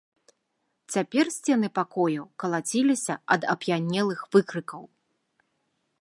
Цяпер сцены пакояў калаціліся ад ап'янелых выкрыкаў.